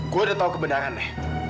gue udah tahu kebenarannya